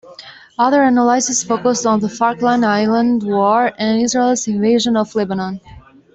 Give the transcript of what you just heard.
Other analysis focused on the Falkland Islands War and Israel's invasion of Lebanon.